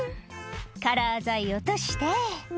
「カラー材落として」